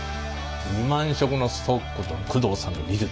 ２万色のストックと工藤さんの技術